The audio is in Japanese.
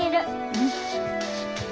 うん。